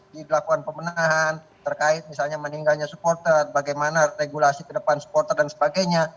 jadi lakukan pemenahan terkait misalnya meningganya supporter bagaimana regulasi ke depan supporter dan sebagainya